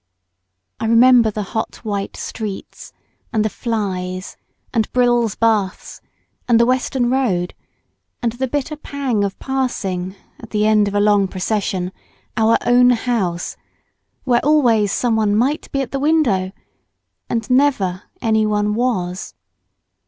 I remember the hot white streets, and the flies, and Brill's baths, and the Western Road, and the bitter pang of passing, at the end of a long procession, our own house, where always some one might be at the window, and never any one was.